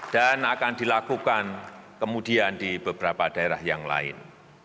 dan akan dilakukan kemudian di beberapa daerah yang lain